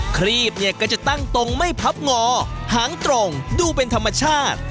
ครีบเนี่ยก็จะตั้งตรงไม่พับงอหางตรงดูเป็นธรรมชาติ